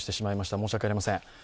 申し訳ありません。